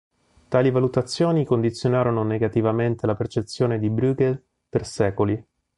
Tali valutazioni condizionarono negativamente la percezione di Bruegel per secoli.